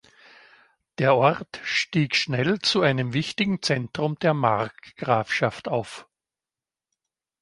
Der Ort stieg schnell zu einem wichtigen Zentrum der Markgrafschaft auf.